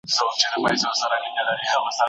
په احرام کي هم جماع کول منع دي.